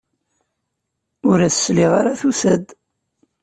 Ur as-sliɣ ara tusa-d.